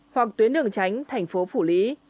hoặc tuyến đường tránh thành phố phủ lý